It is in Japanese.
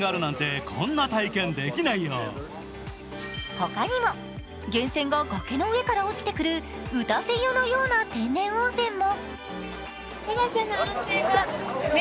他にも、源泉が崖の上から落ちてくる、打たせ湯のような天然温泉も。